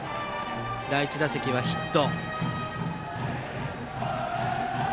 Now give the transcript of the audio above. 第１打席はヒット。